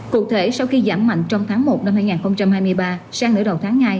cụ thể sau khi giảm mạnh trong tháng một năm hai nghìn hai mươi ba sang nửa đầu tháng hai